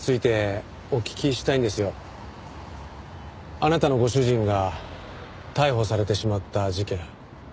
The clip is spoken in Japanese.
あなたのご主人が逮捕されてしまった事件。